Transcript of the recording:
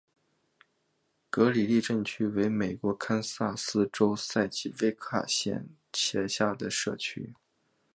格里利镇区为美国堪萨斯州塞奇威克县辖下的镇区。